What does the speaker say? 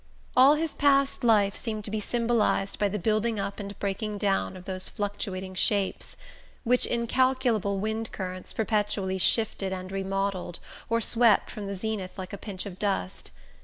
All his past life seemed to be symbolized by the building up and breaking down of those fluctuating shapes, which incalculable wind currents perpetually shifted and remodelled or swept from the zenith like a pinch of dust.